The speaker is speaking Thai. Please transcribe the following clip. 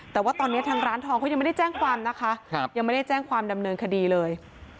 แต่ว่าตอนนี้ทางร้านทองเขายังไม่ได้แจ้งความนะคะยังไม่ได้แจ้งความดำเนินคดีเลย